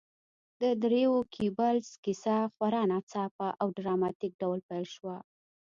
د دریو ګيبلز کیسه خورا ناڅاپه او ډراماتیک ډول پیل شوه